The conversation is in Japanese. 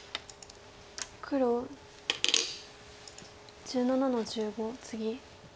黒１７の十五ツギ。